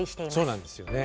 そうなんですよね。